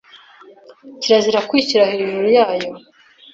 kirazira kwishyira hejuru yayo